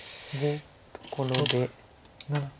ところで。